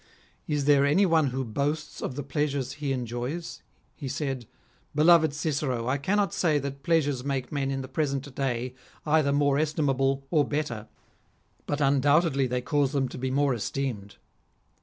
Is there any one who boasts of the pleasures he enjoys ?" he said :" Beloved Cicero, I cannot say that pleasures make men in the present day either more estimable or better ; but undoubtedly they cause them to be more esteemed.